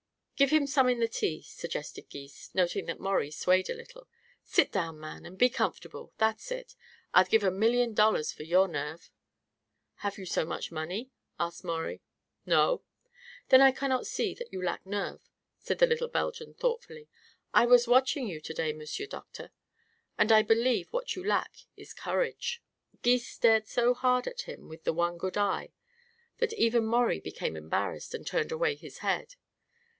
"Give him some in the tea," suggested Gys, noting that Maurie swayed a little. "Sit down, man, and be comfortable. That's it. I'd give a million dollars for your nerve." "Have you so much money?" asked Maurie. "No." "Then I cannot see that you lack nerve," said the little Belgian thoughtfully. "I was watching you to day, M'sieur Doctor, and I believe what you lack is courage." Gys stared so hard at him with the one good eye that even Maurie became embarrassed and turned away his head.